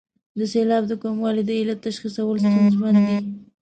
د سېلاب د کموالي د علت تشخیصول ستونزمن دي.